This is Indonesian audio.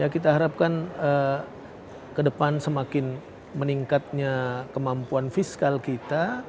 kita harapkan ke depan semakin meningkatnya kemampuan fiskal kita